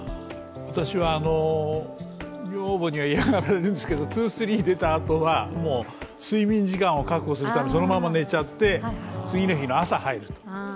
私は女房には嫌がられるんですけど「２３」を出たあとは睡眠時間を確保するためにそのまま寝ちゃって次の日の朝入る。